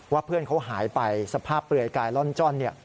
เพื่อนเขาหายไปสภาพเปลือยกายล่อนจ้อน